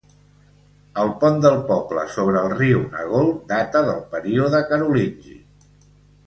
El pont del poble sobre el riu Nagold data del període carolingi.